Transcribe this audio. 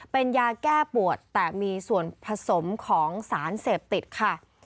เป็นยาแก้ปวดแต่มีส่วนผสมของสารเสพติดค่ะ